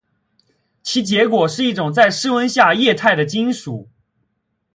其结果是一种在室温下液态的金属。